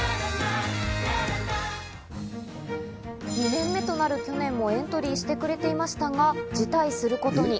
２年目となる去年はエントリーしてくれていましたが、辞退することに。